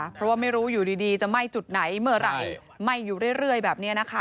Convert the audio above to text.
เพราะว่าไม่รู้อยู่ดีจะไหม้จุดไหนเมื่อไหร่ไหม้อยู่เรื่อยแบบนี้นะคะ